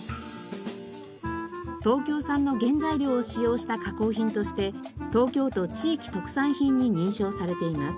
東京産の原材料を使用した加工品として東京都地域特産品に認証されています。